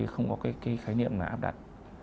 không có cái khái niệm là áp đặt